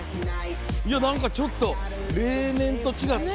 何かちょっと例年と違って。